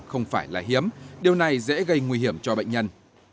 không phải là hiếm điều này dễ gây nguy hiểm cho bệnh nhân